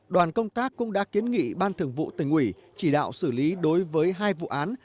đoàn công tác cũng đã kiến nghị ban thường vụ tỉnh ủy chỉ đạo xử lý đối với hai vụ án